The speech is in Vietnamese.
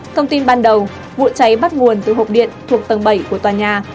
thông tin ban đầu vụ cháy bắt nguồn từ hộp điện thuộc tầng bảy của tòa nhà